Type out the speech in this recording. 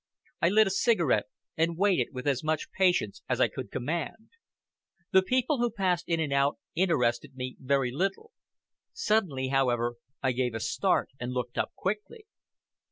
I lit a cigarette, and waited with as much patience as I could command. The people who passed in and out interested me very little. Suddenly, however, I gave a start and looked up quickly.